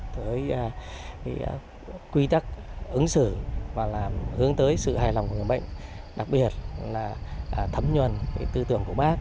tới quy tắc ứng xử và làm hướng tới sự hài lòng của người bệnh đặc biệt là thấm nhuần tư tưởng của bác